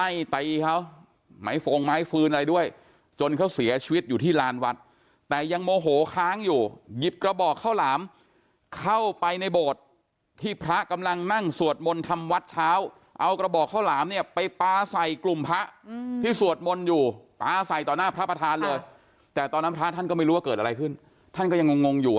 ตีเขาไม้ฟงไม้ฟื้นอะไรด้วยจนเขาเสียชีวิตอยู่ที่ลานวัดแต่ยังโมโหค้างอยู่หยิบกระบอกข้าวหลามเข้าไปในโบสถ์ที่พระกำลังนั่งสวดมนต์ทำวัดเช้าเอากระบอกข้าวหลามเนี่ยไปปลาใส่กลุ่มพระที่สวดมนต์อยู่ปลาใส่ต่อหน้าพระประธานเลยแต่ตอนนั้นพระท่านก็ไม่รู้ว่าเกิดอะไรขึ้นท่านก็ยังงงอยู่